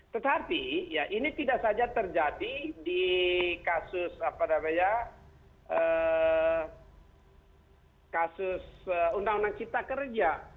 tetapi ya ini tidak saja terjadi di kasus undang undang cipta kerja